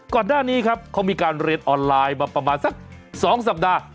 ก่อนหน้านี้ครับเขามีการเรียนออนไลน์มาประมาณสัก๒สัปดาห์